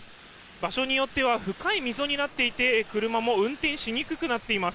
場所によっては深い溝になっていて車も運転しにくくなっています。